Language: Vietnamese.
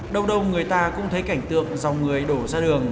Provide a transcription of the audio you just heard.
đông đông người ta cũng thấy cảnh tượng dòng người đổ ra đường